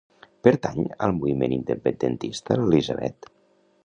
Pertany al moviment independentista l'Elisabet?